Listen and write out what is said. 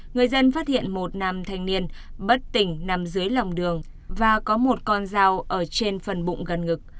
người dân phát hiện một nam thanh niên bất tỉnh nằm dưới lòng đường và có một con dao ở trên phần bụng gần ngực